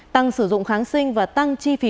tăng sử dụng kháng sinh và tăng chi phí